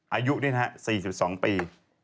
อายุ๔๒ปี